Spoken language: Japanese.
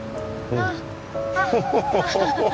あっ